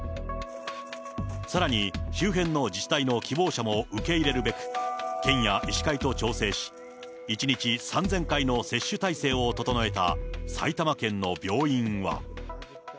さらに周辺の自治体の希望者も受け入れるべく、県や医師会と調整し、１日３０００回の接種体制を整えた埼玉県の病院は。